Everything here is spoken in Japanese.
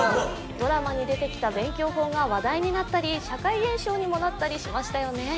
ドラマに出てきた勉強法が話題になったり社会現象にもなったりしましたよね